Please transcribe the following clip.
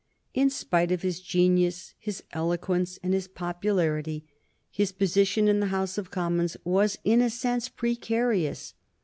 In spite of his genius, his eloquence, and his popularity, his position in the House of Commons was in a sense precarious.